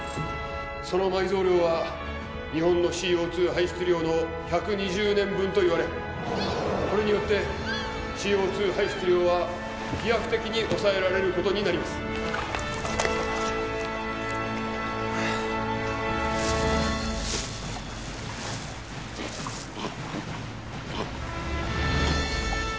その埋蔵量は日本のＣＯ２排出量の１２０年分といわれこれによってＣＯ２排出量は飛躍的に抑えられることになりますああ